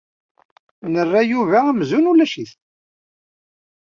Nerra Yuba amzun ulac-it.